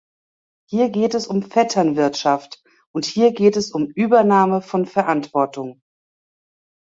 Hier geht es um Vetternwirtschaft, und hier geht es um Übernahme von Verantwortung.